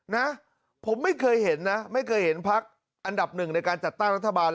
นะผมไม่เคยเห็นนะไม่เคยเห็นพักอันดับหนึ่งในการจัดตั้งรัฐบาล